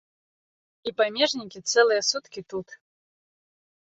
І памежнікі цэлыя суткі тут.